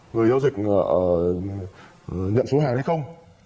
người giao dịch nhận số hàng hay không